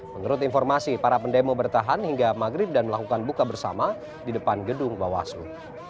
menurut informasi para pendemo bertahan hingga maghrib dan melakukan buka bersama di depan gedung bawaslu